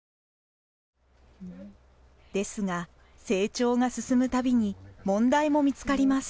ですが成長が進むたびに問題も見つかります。